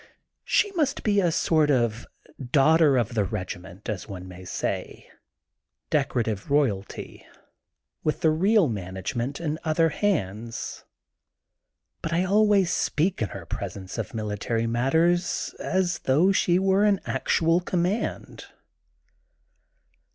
She must be a sort of daugh ter of the regiment/' as one may say, deco rative royalty, with the real management in other hands. But I always speak in her pres ence of military matters as though she were in actual conmaand.